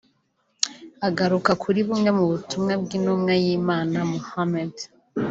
Agaruka kuri bumwe mu butumwa bw’Intumwa y’Imana Mohammed